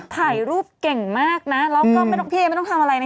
ถ่ายรูปเก่งมากนะแล้วก็ไม่ต้องพี่ไม่ต้องทำอะไรนะ